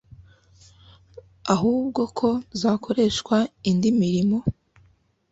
ahubwo ko zakoreshwa indi mirimo